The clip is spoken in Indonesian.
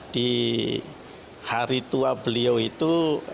di hari tua beliau itu